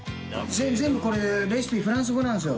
全部これレシピフランス語なんですよ。